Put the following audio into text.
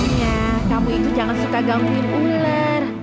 makanya kamu itu jangan suka gangguin ular